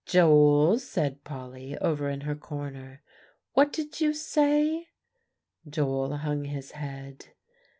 "Joel," said Polly over in her corner, "what did you say?" Joel hung his head.